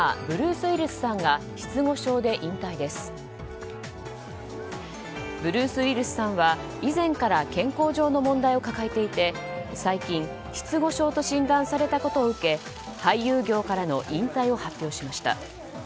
ブルース・ウィリスさんは以前から健康上の問題を抱えていて最近、失語症と診断されたことを受け俳優業からの引退を発表しました。